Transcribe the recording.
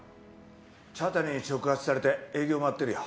茶谷に触発されて営業回ってるよ。